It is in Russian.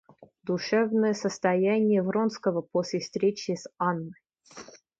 Душевное состояние Вронского после встречи с Анной.